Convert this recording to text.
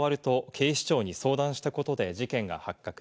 警視庁に相談したことで事件が発覚。